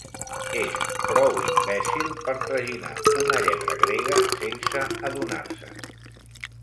És prou imbècil per traginar una lletra grega sense adonar-se'n.